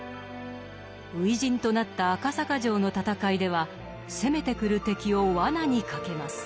初陣となった赤坂城の戦いでは攻めてくる敵を罠にかけます。